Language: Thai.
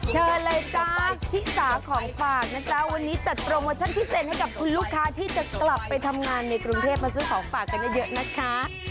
เชิญเลยจ้าชิสาของฝากนะจ๊ะวันนี้จัดโปรโมชั่นพิเศษให้กับคุณลูกค้าที่จะกลับไปทำงานในกรุงเทพมาซื้อของฝากกันเยอะนะคะ